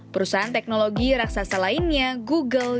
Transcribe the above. perusahaan teknologi raksasa lainnya google